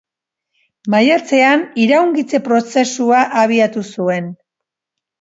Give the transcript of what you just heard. Maiatzean iraungitze prozesua abiatu zuen.